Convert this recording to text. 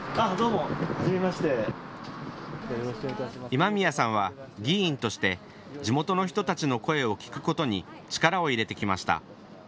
今宮さんは議員として地元の人たちの声を聞くことに力を入れてきました。